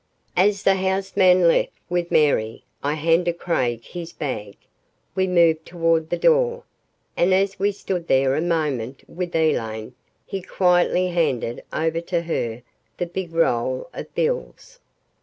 As the house man left with Mary, I handed Craig his bag. We moved toward the door, and as we stood there a moment with Elaine, he quietly handed over to her the big roll of bills.